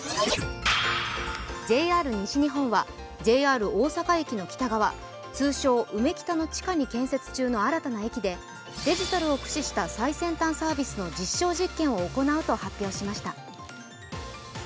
ＪＲ西日本はＪＲ大阪駅の北側、通称「うめきた」の地下に建設中の新たな駅でデジタルを駆使した最先端サービスの実証実験を行うと発表しました。